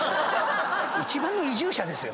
一番の移住者ですよ